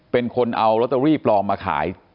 เป็นคนเอาลอตเตอรี่ปลอมมาขาย